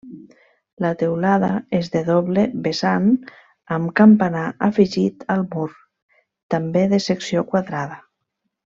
La teulada és de doble vessant amb campanar afegit al mur, també de secció quadrada.